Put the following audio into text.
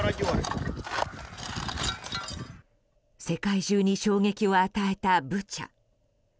世界中に衝撃を与えたブチャ。